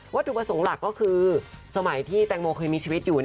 ถูกประสงค์หลักก็คือสมัยที่แตงโมเคยมีชีวิตอยู่